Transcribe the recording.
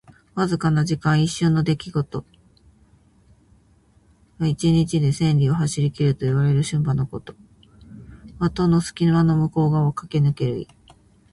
わずかな時間。一瞬の出来事。「騏驥」は一日で千里を走りきるといわれる駿馬のこと。「過隙」は戸の隙間の向こう側をかけぬける意。